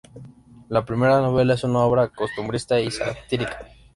La primera novela es una obra costumbrista y satírica.